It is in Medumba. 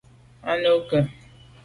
A nu ke ?